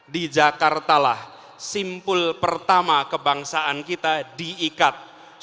di jakartalah simpul pertama kebangsaan kita diikat